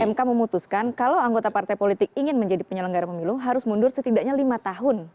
mk memutuskan kalau anggota partai politik ingin menjadi penyelenggara pemilu harus mundur setidaknya lima tahun